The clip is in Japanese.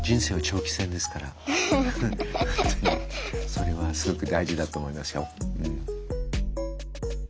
それはすごく大事だと思いますよ。